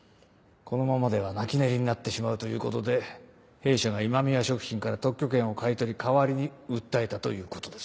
このままでは泣き寝入りになってしまうということで弊社が今宮食品から特許権を買い取り代わりに訴えたということです。